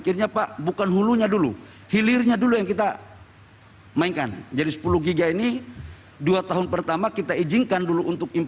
khususnya keperluan ekonomi dan teknologi